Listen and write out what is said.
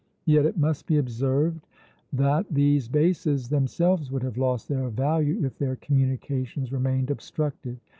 Yet it must be observed that these bases themselves would have lost their value if their communications remained obstructed.